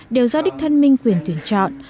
đều do đích thân minh quyền tuyển chọn